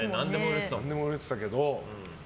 何でも売れてたもんね。